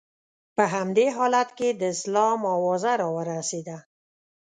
په همدې حالت کې د اسلام اوازه را ورسېده.